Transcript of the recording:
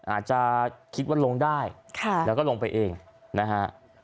อาจจะคิดว่าลงได้แล้วก็ลงไปเองนะฮะ